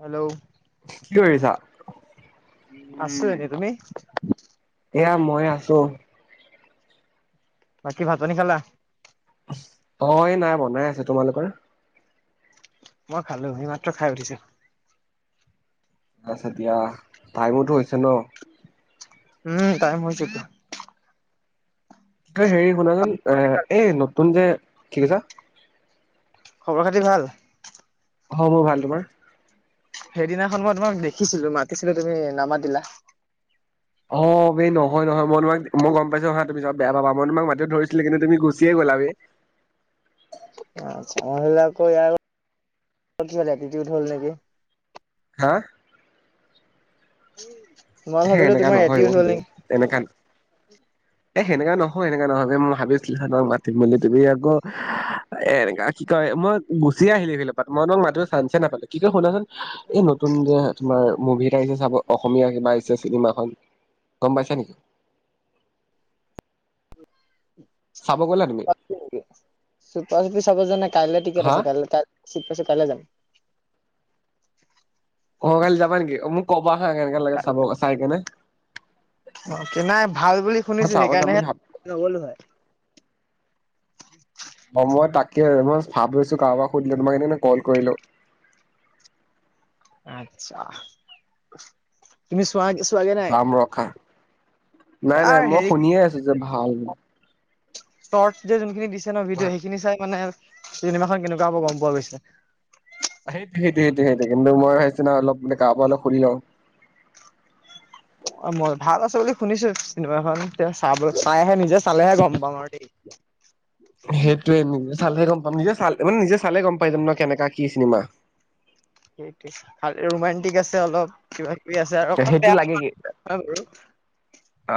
Hello কি কৰিছা আছোঁ এনে তুমি এয়া মই আছো বাকী ভাত পানী খালা অ এই নাই বনাই আছে তোমালোকৰ মই খালো এইমাত্ৰ খাই উঠিছে আচছা দিয়া টাইমোতো হৈছে ন উম টাইম হৈছেটো এই হেৰি শুনাচোন এ এই নতুন কে কি কৈছা খবৰ খাতি ভাল অ মোৰ ভাল তোমাৰ সেইদিনাখন মই তোমাক দেখিছিলো মাতিছিলো তুমি নামাতিলা অ বেই নহয় নহয় মই তোমাক মই গম পাইছো হয় তুমি পিছত বেয়া পাবা মই তোমাক মাতিবও ধৰিছিলো কিন্তু তুমি গুচিয়ে গলা বেই মহিলা আকৌ ইয়াৰ কৃতি উ হ'ল নেকি হা উম হে এনেকা নহয় অ ব্র তেনেকা এ সেনেকা নহ মই এনেকা নহয় ভাই মই ভাবিছিলোঁ তোমাক মাত তুমি মানে তুমি আকৌ এনেকা কি কয় মই গুচি আহিলি এই ফিলৰপাত মই তোমক মাতিব চান্সে নাপালো কি যে হল হেতেন এই নতুন যে তোমাৰ মুভি চাব অসমীয়া কিবা আহি চিনেমাখন গম পাইছা নেকি চাব গ'লা তুমি? চুপচুপি চাব যোৱা নাই কাইলৈ টিকেট হা আছে কাই কাইা কাইলে যাম অ কালি যাবা নেকি মোক কবা হা কেনেকে লাগে চাব চাই কেনে অ কে নাই ভাল বুলি মই শুনিছো চাব যাম সেইকাৰণেহে বুলি ভাব নগলো হয় [inaudible] মই তাকে মই ভাব লৈছো কাৰোবাক সুধিলো তোমাক সেইদি কল কৰিলো। আচ্ছা তুমি চোৱা চোৱাগে নাই দাম ৰখা নাই তাৰ নাই মই শুনিয়ে আছো যে ভাল। তত যে যোনখিনি দি ন কোৱা। ভিডিঅ সেইখিনি চাই মানে। চিনিমাখন কেনেকুৱা হ'ব গম পোৱা গৈছে। সেইটো, সেইটো, সেইটো, সেইটোৱেই, কিন্তু মই সেইদিনা অলপ মানে ক পৰা অলপ সুুধি লওঁ। [unintelligible] অ' মই ভাল আছে বুলি শুনিছো। চিনেমাখন, তে চাব, চাইহে নিজে চালেহে গম পাম আৰু দেই। সেইটোয়ে মোক, চালহে গম। [unintelligible] নিজে চাল, মানে নিজে চালে গম পাই যাম ন। কেনেকা কি চিনেমা। সেইটোৱেই। খালি ৰোমানণ্টিক আছে অলপ কিবা- কিবি। আছে আৰু অকণ সেইটো বেয়া লাগে কি, নহয় বাৰু।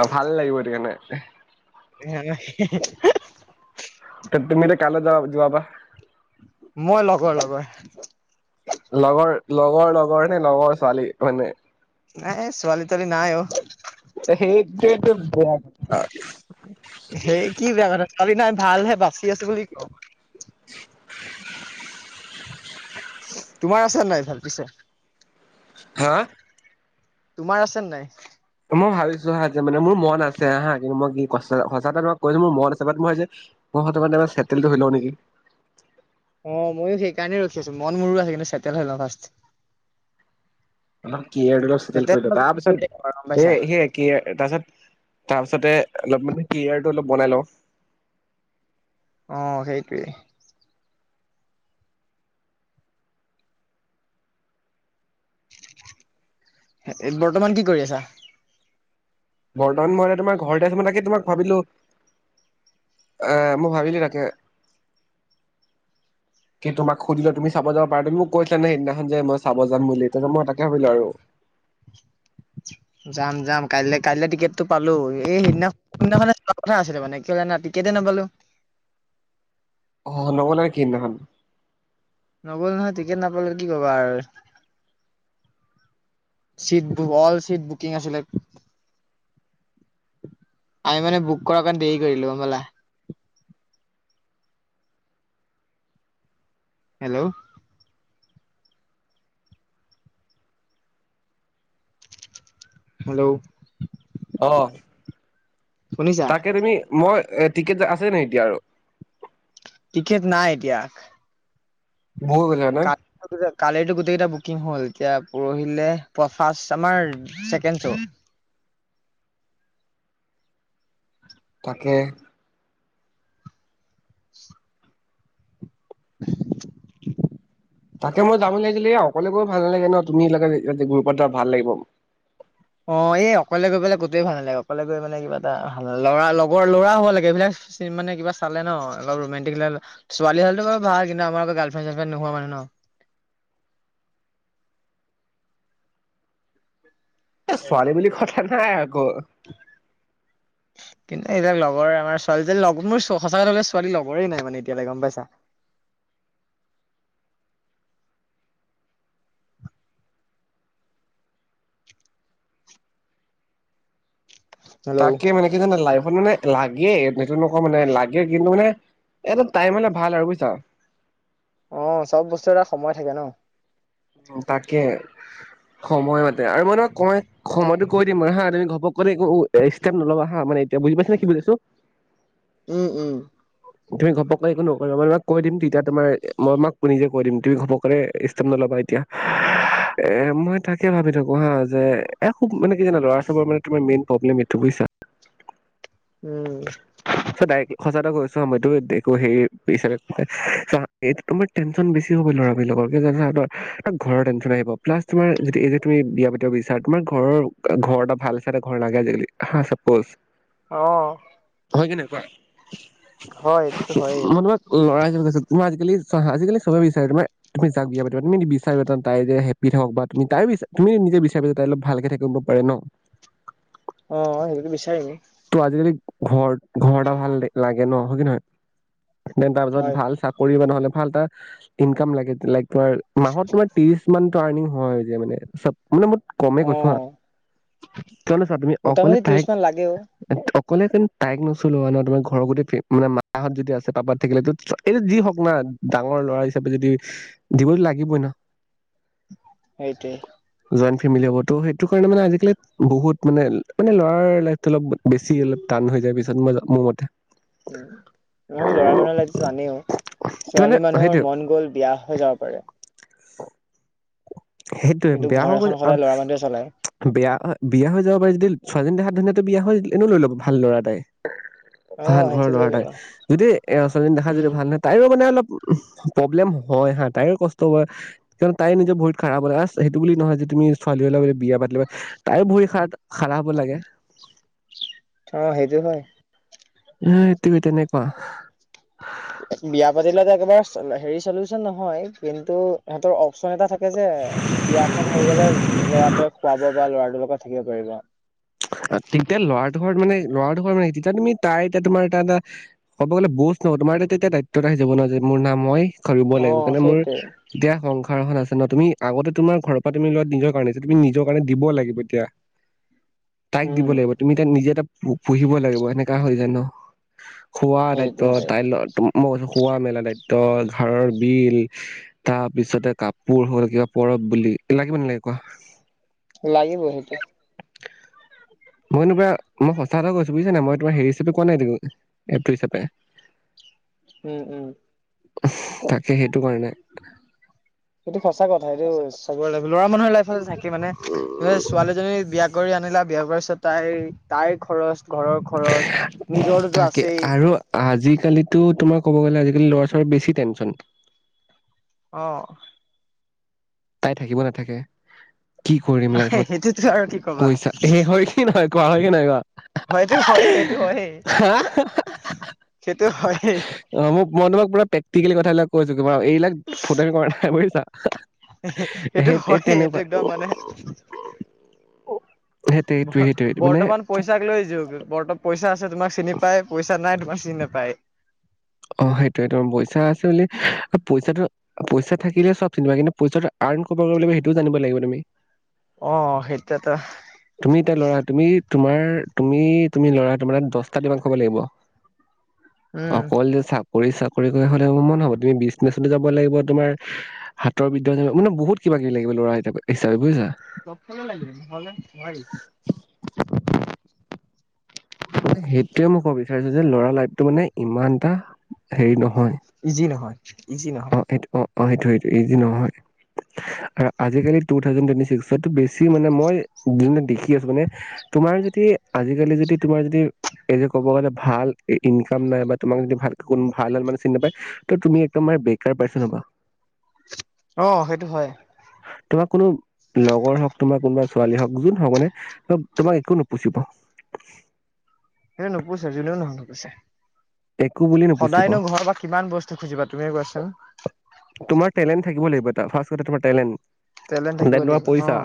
অ ভাল লাগিব সেইকাৰণে। [unintelligible] [unintelligible] তুমি এতিয়া কাললৈ। যোৱা যোৱা বা। মই- লগৰ লগৰ। লগৰ, লগৰ লগৰ নে? লগৰ ছোৱালী মানে। নাই--ছোৱালী-টোৱালি নাই অ'। সেইটোৱেটো বেয়া সেই কি বেয়া কথাটো। ছোৱালী নাই ভালহে বাচি আছো বুলি ক। [unintelligible] তোমাৰ আছে নে নাই? ভাল পিছে। হা তোমাৰ আছে নাই? মই ভাবিছো হা, যে' মানে মোৰ মন আছে হা। কিন্তু মই কি সঁচা কৈছো মোৰ মন আছে। বাত মই অ'মইয়ো সেইকাৰণেই ৰখি আছো। মন মোৰো আছে কিন্তু, চেটেল হৈ লওঁ ফাৰ্ষ্টত। [inaudible] কেৰিয়েৰটো অলপ চেতেল কৰি লওঁ। তাৰপিছত, সেয়ে, পাইছা সেয়েই তাৰপিছত অলপ মানে। কেৰিয়াৰটো অলপ বনাই লওঁ। অ' সেইটোৱেই। বৰ্তমান কি কৰি আছা? বৰ্তমান মই এনে তোমাৰ ঘৰতে আচো। মই তাকে তোমাক ভাবিলো, এ- মই ভাবিলো তাকে কি। তোমাক সুধী লওঁ তুমি চাব যাব পাৰা, তুমি মোক কৈছিলা ন সেইদিনাখন যে মই চাব যাম বুলি তাকে মই তাকে ভাবিলো আৰু। যাম, যাম। কাই-কাইলে টিকেটটো পালো। এই সেইদিনা, সেইদিনাখনে যোৱা কথা আছিলে মানে। কিয় জানা? টিকেট নাপালো। অ' নগলা নেকি সেই দিনাখন। নগ'ল নহয়, টিকেট নাপালে কি কবা আৰু। চিট, অল চিট বুকিং আছিলে। আমি মানে বুক কৰা কাৰণে দেৰি কৰিলো। গম পালা? হেল্ল'। হেল্ল'। অহ। শুনিছা তাকে তুমি। মই, এ টিকেট আছে নেকি এতিয়া আৰু? টিকেট নাই এতিয়া। [unintelligible] এবাৰ কালিৰ টো গোটেই কেইটা বুকিং হ'ল। এতিয়া পৰহিলে প, ফাৰ্ষ্ট আমাৰ ছেকেণ্ড চ'। তাকে। [unintelligible] তাকে মই যাম বুলি ভাবিছিলোঁ। অকলে গৈ ভাল নালাগে ন। তুমি লগত গ্ৰুপত থাকা ভাল লাগিব। অ' এই অকলে গৈ পেলাই কতোৱেই ভাল নালাগে। অকলে গৈ পেলাই কিবা এটা ভাল, লৰা লগৰ লৰা হব লাগে এইবিলাক, মানে কিবা চালে ন অলপ ৰোমেণ্টিক লাইন ছোৱালী হ'লেতো অলপ ভাল কিন্তু, আমাৰ আকৌ গাৰ্লফ্ৰেণ্ড চালফ্ৰেণ্ড নোহোৱা মানুহ ন। এ ছোৱালী বুলি কথা। নাই আকৌ কিন্তু এইবিলাক লগৰ আমাৰ ছোৱালীজনী লগত মোৰ সঁচাকৈ লগলে ছোৱালী লগৰেই নাই মানে এতিয়ালৈে গম পাইছা হেল্ল' তাকে মানে কি যানা লা মানে লাগে এ যোন দখ মানে লাগে কিন্তু মানে এটা টাইম হলে ভাল আৰু বুইছ অ চব বস্তু এটা সময় থাকে ন উম তাকে সময় মাতে আৰু মই নহয় ক সময়তো কৈ দিম মানে হা তুমি ঘপক কলে একো ষ্টেপ নলবা হা মানে এতিয়া বুজি পাইছা নে কি বুজাইছো উম উম তুমি ঘপকাৰে একো নকৰিবা মানে মাক কৈ দিম তেতিয়া তোমাৰ মই মাক নিজে কৈ দিম তুমি ঘপক কেনে স্তেপ নলবা এতিয়া এ মই তাকে ভাবি থাকো হা যে এ খুব মানে কি জানা ল'ৰা চবৰ মানে তোমাৰ মেইন প্ৰব্লেম এইটো বুইছা উম চ ডাইৰেক্ সচা কৈছো আ মই ত দেক সেই হিচে এ তোমাৰ টেনচন বেছি হ'ব ল'ৰাবিলাকৰ কি হব যানা ঘৰৰ টেনচন আহিব প্লাছ তোমাৰ যদি এই যে তুমি বিয়া পাতিব বিচাৰা তোমাৰ ঘৰৰ ঘৰ এটা ভাল চে এটা ঘৰ লাগে আজিকালি হা চাপজ অ [unintelligible] মই হয় এইটোতো হয়েই তোমাক লৰাজন তোমাৰ আজিকালি আজিকালি চবে বিচাৰে তোমাৰ তুমি যাক বিয়া পাতিবা তুমি বিচাৰা তাই যে হেপ্পি থাকক বা তুমি তাই বিচ তুমি নিজে বিচাৰি যে তাই অলপ ভালকে থাকিব পাৰে ন অ সেইটোতো বিচাৰিম ত' আজিকালি ঘৰ ঘৰটা ভাল লাগে ন হয় কি নহয় দেন তাৰপিছত হয় ভাল চাকৰি বা নহ'লে ভাল এটা ইনকাম লাগে লাইক তাৰ মাহত তোমাৰ ত্ৰিশ মান ত এদিন যে মানে চব [unintelligible] কমে অ কৈছো হা [unintelligible] কিয় নো তুমি চোৱা অকলে মোটামুটি ত্ৰিশ তাইক মান লাগেও অকলেতো তাইক নচলোৱা ন তোমাৰ ঘৰৰ গোটেই ফে মানে মাহঁত যদি আছে পাপাত থাকিলে এইটো যি হওক না ডাঙৰ ল'ৰা হিচাপে যদি দিবতো লাগিবই ন সেইটোৱে জইন ফেমেলি হব সেইটো কাৰণে মানে আজিকালি বহুত মানে মান লৰাৰ লাইফটো অলপ বেছি অলপ টান হৈ যায় পিছত মই মোৰ মতে উ ম লৰা মানুহে জানিও ত' মানে ছোৱালী মানুহৰ মন গ'ল বিয়া হৈ যাব পাৰে [inaudible] সেইটোয়ে কিন্তু বেয়া ঘৰ হব গ এখন সদায় ল'ৰা মানুহে চলায় বেয়া বিয়া হৈ যাব পাৰে যদি ছোৱালী হাত ধুনাতো বিয়া হয় এনে লৈ ল ভাল ল'ৰা তাই অ ভাল ঘৰৰ সেইটো লৈ ল'ৰাটাই ল'বা যদি এই আচালী দেখা যদি উম ভাল নহয় তাইও মানে অলপ উ প্ৰব্লেম হয় হা তাই কষ্ট হয় তাই নিজৰ ভহৰিত খাৰ হ'লে আ সেইটো বুলি নহয় যে তুমি ছোৱালী লা বুলি বিয়া পাতি লবা তাই ভৰি খান খাৰাবো লাগে অ সেইটো হয় উ এতিবি তেনে কুৱা বিয়া পাতিলে একেবাৰ হেৰি চলোছন নহয় কিন্তু সিহঁতৰ অপচন এটা থাকে যে বিয়াখনন হৈ গ'লে ল'ৰাটোৱে খুৱাব বা ল'ৰাটোৰ লগত থাকিব পাৰিবা তেতিয়া ল'ৰা ঘৰত মানে লৰা ঘৰত মানে তেতিয়া তুমি তাই এতিয়া তোমাৰ এ এটা ক'ব গ'লে বজ নহ তোমাৰ এ এতিয়া দায়িত্ব এটা আহি যাব নোৱাৰ যে মোৰ নাম মই কৰিবই অ লাগিব কাৰণে মোৰ সেইটোৱে এতিয়া সংসাৰ খন আছে তুমি আগতে তোমাৰ ঘৰৰ পৰা তুমি লোৱা নিজৰ কাৰণে তুমি নিজৰ কাৰণে দিব লাগিব এতিয়া তাইক দিব উম লাগিব তুমি তাই নিজে এটা পু়হিব লাগিব এনেকা হৈ ন খোৱা দায়িত্ব সেইটোতো হয় তাই ল মই শুৱ মেলা দায়িত্ব ঘাৰৰ বিল তাৰপিছতে কাপোৰ হ'ল কিবা পৰব বুলি লাগিব নালাগে কোৱা লাগিব সেইটো মইো প মইচ টা কৈছো বুজিছা নে মই তোমাৰ হেৰি হিাপে কোৱা নাই এপটো হিচাপে উম উম তাক সেইটো সচা কথা এইটো চব ল'ৰা মানুহৰ লাইফ থাকে মানে ছোৱালীজনী বিয়াত কৰি আনিলা বিয়া কৰ পিছত তাই তাইৰ খৰচ ঘৰৰ খৰচ নিজৰটোতো তাকে আছেই আৰু আজিকালিতো তোমাক ক'ব গ'ল্ আ ল'ৰা ছাল বেছি তেনচন অ' তাই থাকিব নাথাকে। কি কৰিম লাইফত সেইটোতো আৰু কি কবা পইচা সে হয় কি নহয় কোৱা হয় কি নহয় কোৱা হয়টো হয়ে সেইটো হয়েই হা সেইটো হয়েই অ মোক মন তোমাক পুৰা প্ৰেকটিকেল কথাবিলাক কৈছো। কিবা এইবিলাক ফুট কৰা নাই বুজিছা। এইটো সেই হয় এইটো তেনেকুৱা একদম মানে অ! বৰ্তমান পইচাক লৈ যোওক বৰ্ত পইচা! তোমাক চিনি পাই পইচা নাই তোমাৰ চিন নাপায়। অ সেইটোোৱে তম পইচা আছে বুলি পইচাটো পইচা থাকিলে চব চিনিবা কিন্তু পইচাটো আৰ্ন কভাৰ কৰিব লাগিব সেইটোও জানিব লাগিব তুমি অ সেইটো ত তুমি এতিয়া ল'ৰা তুমি তোমাৰ তুমি তুমি ল'ৰা তোমাৰ দচটা দিমাক কব লাগিব। উম। অকল যে চাকৰি চাকৰি কৰি হলে মন হব তুমি বিজনেছত যাব লাগিব তোমাৰ হাতৰ বিদ্যা যাব মানে বহুত কিবা কিবি লাগিব ল'ৰা এটা হিচাপে বুজিছা। চব ফাল লাগিব নহলে নোৱাৰি। সেইটো। কিয় মই ক'ব বিচাৰছো যে ল'ৰা লাইফটো মানে। ইমানটা হেৰি নহয়। ইজি নহয়। ইজি নহয়। অহ ', সেইটো- সেইটো ইজি নহয়। আজিকালি টুথাউজেন টুৱেটণ্টি। [unintelligible] চি মানে মই দুদিনত দেখি। কি আছো মানে তোমাৰ যদি। আজিকালি যদি তোমাৰ যদি এই যে ক'ব গ'লে। ভাল ইনকাম নাই বা তোমাক যদি ভাল কোনো ভাল হাল মানে চিনি নেপায় তুমি একদম মানে বে কাৰ পাৰ্চন হবা। অহ ', সেইটো হয়। তোমাৰ কোনো লগৰ হওক তোমাৰ কোনোবা ছোৱালী হওক যোনে হওক মানে তোমাক একো নুপুচিব। সেইটো নুপুছে যোনেও নহয় নুপুছে। একো বুলি নুপুচিব সদায়নো ঘৰৰ পৰা কিমান বস্তু খুজিবা। তুমিয়ে কোৱা চোন। তোমাৰ টেলেণ্ট [unintelligible] তোমাৰ থাকিব টেলেণ্ট। তোমাৰ লাগিব অ পইচা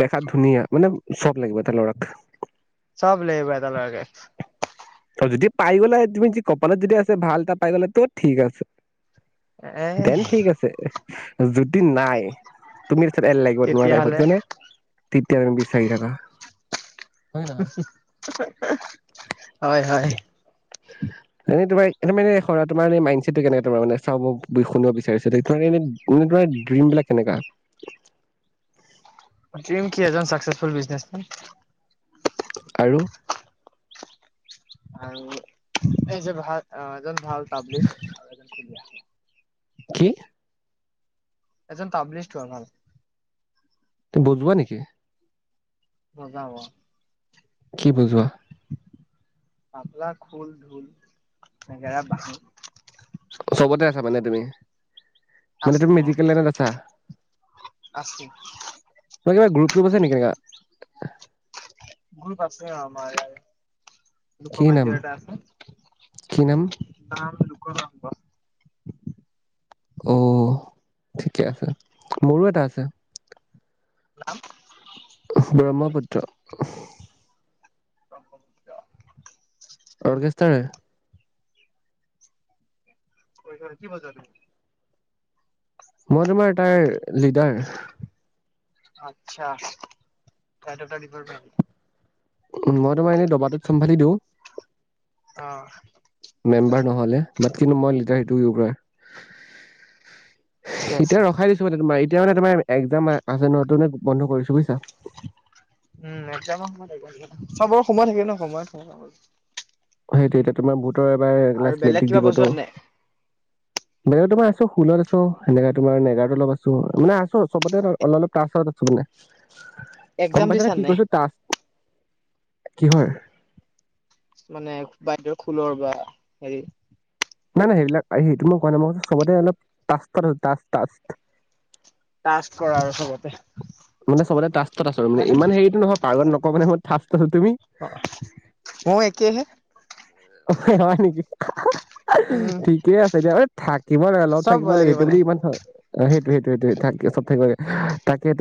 তাত ধুনীয়া মানে চব লাগিব এটা ল'ৰাক। চব লাগিব এটা ল'ৰাকে। অহ ', যদি পাই গলে তুমি যদি কপালত যদি আছে ভাল এটা পাই গলা তো ঠিক আছে। এ দেন ঠিক আছে। যদি নাই তুমি। এল লাগিব তোমাৰ লাইফত তেতিয়াহ'লে যেনে তেতিয়া তুমি বিচাৰি থাকা। হয় নহয়। [unintelligible] হয় - হয়। এনে তোমাৰ এনে মানে তোমাৰ মাইণ্ড ছেটটো কেনে তাৰ মানে চাব শুনিব বিচাৰিছো তোমাৰ মানে তোমাৰ ড্ৰীমবিলাক কেনেকা। ড্ৰীম। কি এজন চাকসেছফুল বিজনেচমেন। আৰু আৰু এই যে, ভা-এজন ভাল তাবলিচ [inaudible] কি? এজন তাবলিষ্ট হোৱা ভাল। বজোৱা নেকি? বজাওঁ‌‌ অ'। কি বজোৱা? তাবলা, খোল, ঢোল, নেগেৰা, বাঁহী। তাৰমানে তুমি আচ মানে তুমি অ মেডিকেল লাইনত আছা? আছে অ' কিবা গ্ৰুপ চোপ আছে নেকি তেনেকা? গ্ৰুপ আছে অ', আমাৰ ইয়াৰে। কি নাম লোকবাদ্য এটা কি নাম আছে, নাম লোক [unintelligible] অ', ঠিকে আছে, মোৰো এটা আছে। নাম? ব্ৰহ্মপুত্ৰ। অৰ্কেষ্ট্ৰাৰে। [unintelligible] কি বজোৱা তুমি? মই তোমাৰ তাৰ লিডাৰ। আত্চা এটা ডিপাৰ্টমেণ্ট। [unintelligible] তোমাৰ এনে দবাটোত চম্ভালি দিওঁ। অ'। মেম্বাৰ ন'হলে, বাত কিন্তু মই লিডাৰ [unintelligible] এতিয়া ৰখাই ঠিকে আছে দিছো, মানে তোমাৰ তেতিয়া মানে তোমাৰ একজাম আছে ন', ত' বন্ধ কৰিছো বুইছা। উম, একজাম [unintelligible] সময় থাকে ন? সময় [unintelligible] সেইটো এতিয়া তোমাৰ বুত এবাৰ আৰু এগাছ বেলেগ মেট্ৰিক কিবা দিবটো। বজোৱা নাই বেলেগত তোমাৰ আছো খোলত আছো, সেনেকা তোমাৰ নেগাৰাতো অলপ আছো মানে আছো চবতে অলপ, অলপ তাসত আছো মানে। একজাম গম পাইছা নে দিছা কি নাই কৈছো? তাষ্ট। কিহৰ? মানে বাদ্য খুলৰ বা হেৰি নাই, নাই সেইবিলাক আহ সেইটো মই কোৱা নাই চবতে অলপ তাস্ত ত আছো টাস্ত, টাস্ত। তাষ্ট কৰা আৰু চবতে। মানে সবতে টাষ্টত আছো মানে ইমান হেৰিটো নহয় পাৰ্গত নপ [unintelligible] অ', মইও একেই হে। [unintelligible] ঠিকেই আছে দিয়া, থাকিব লাগে ন' চব থাকিব বজাই লাগে দিওঁ এইটো মানে বুলি ইমান হয়। অ', হেইটো হেইটো হেইটো থাকে, সব থাকিব লাগিব তাকে টো